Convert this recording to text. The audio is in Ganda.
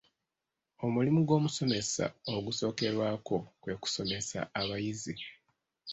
Omulimu gw'omusomesa ogusookerwako kwe kusomesa abayizi.